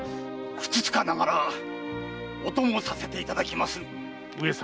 ふつつかながらお供させていただきます。